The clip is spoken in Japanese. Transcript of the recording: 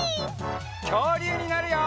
きょうりゅうになるよ！